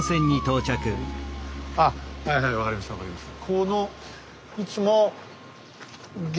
あっはいはい分かりました分かりました。